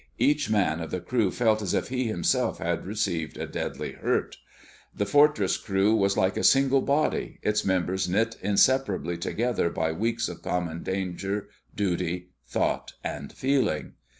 Each man of the crew felt as if he himself had received a deadly hurt. The fortress crew was like a single body, its members knit inseparably together by weeks of common danger, duty, thought and feeling.